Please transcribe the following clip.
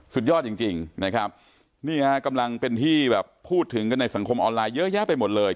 สุดยอดจริงนะครับนี่ฮะกำลังเป็นที่แบบพูดถึงกันในสังคมออนไลน์เยอะแยะไปหมดเลย